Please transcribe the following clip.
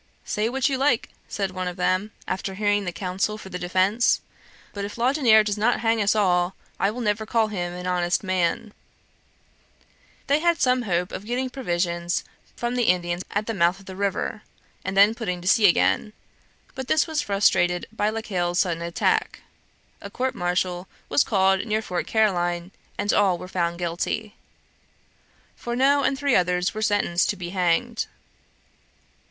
"Say what you like," said one of them, after hearing the counsel for the defence; "but if Laudonniere does not hang us all, I will never call him an honest man." They had some hope of getting provisions from the Indians at the month of the river, and then putting to sea again; but this was frustrated by La Caille's sudden attack. A court martial was called near Fort Caroline, and all were found guilty. Fourneaux and three others were sentenced to be hanged.